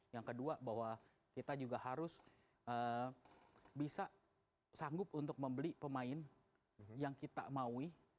yang kedua bahwa kita juga harus bisa sanggup untuk membeli pemain yang kita maui